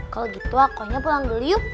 kalau gitu akonya pulang dulu yuk